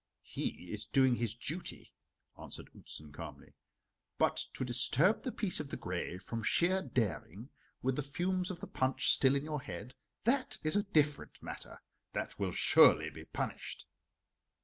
"He is doing his duty," answered Outzen calmly. "But to disturb the peace of the grave from sheer daring, with the fumes of the punch still in your head, that is a different matter, that will surely be punished!"